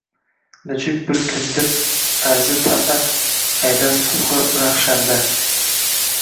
Nechuk bir kunda arzi talʻat aylar subhi rahshanda